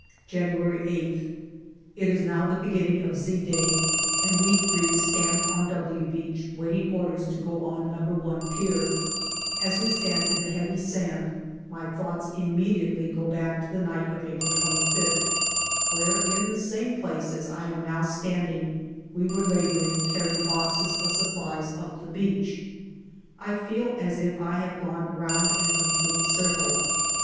January 8th. * It is now the beginning of " Z " day, and we three stand on " W " Beach waiting orders to go on No. i Pier. As we stand in the heavy sand, my thoughts immediately go back to the night of April 25th, where in the same place as I am now standing we were labouring carrying boxes of supplies up the beach. I feel as if I have gone round in a complete circle.